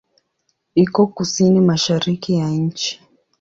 Iko kusini-mashariki ya nchi.